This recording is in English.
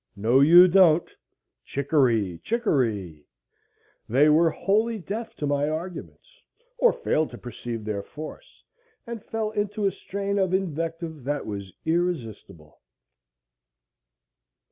No you don't—chickaree—chickaree. They were wholly deaf to my arguments, or failed to perceive their force, and fell into a strain of invective that was irresistible.